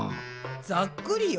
ざっくりよ。